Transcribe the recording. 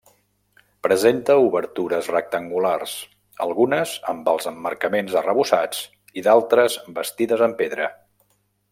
Presenta obertures rectangulars, algunes amb els emmarcaments arrebossats i d'altres bastides en pedra.